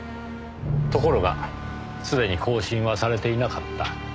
ところがすでに更新はされていなかった。